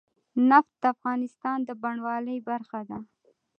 نفت د افغانستان د بڼوالۍ برخه ده.